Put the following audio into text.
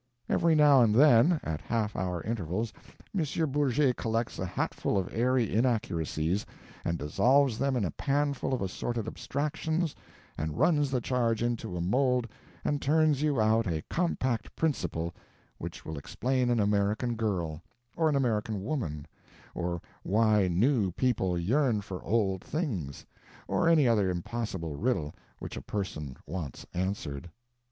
Every now and then, at half hour intervals, M. Bourget collects a hatful of airy inaccuracies and dissolves them in a panful of assorted abstractions, and runs the charge into a mould and turns you out a compact principle which will explain an American girl, or an American woman, or why new people yearn for old things, or any other impossible riddle which a person wants answered.